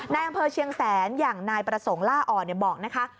นายอำเภอเชียงแสนอย่างนายประสงค์ล่าอ่อนบอกนะคะ